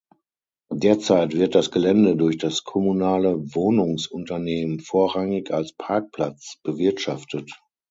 Derzeit wird das Gelände durch das kommunale Wohnungsunternehmen vorrangig als Parkplatz bewirtschaftet.